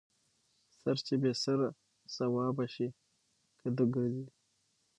ـ سر چې بې سر سوابه شي کدو ګرځي.